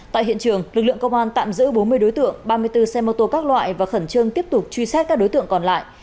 tại hiện trường lực lượng công an tạm giữ bốn mươi đối tượng ba mươi bốn xe mô tô các loại và khẩn trương tiếp tục truy xét các đối tượng còn lại